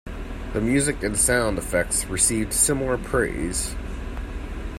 The music and sound effects received similar praise.